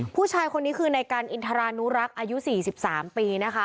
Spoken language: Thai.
ผู้ชายคนนี้คือในการอินทรานูรักอายุ๔๓ปี